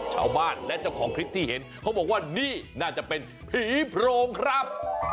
เจ้าของและเจ้าของคลิปที่เห็นเขาบอกว่านี่น่าจะเป็นผีโพรงครับ